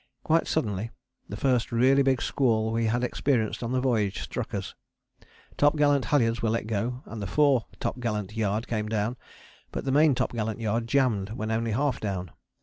Quite suddenly the first really big squall we had experienced on the voyage struck us. Topgallant halyards were let go, and the fore topgallant yard came down, but the main topgallant yard jammed when only half down.